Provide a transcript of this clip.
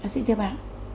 xin thưa bà